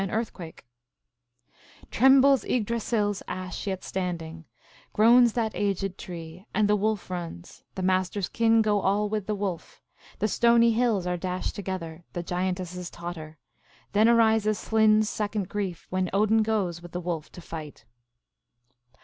23 " Trembles Yggdrasil s Ash yet standing, groans that aged tree ... and the Wolf runs ... The monster s kin goes all with the Wolf. ... The stony hills are dashed together, The giantesses totter. Then arises Hlin s second grief When Odin goes with the wolf to fight."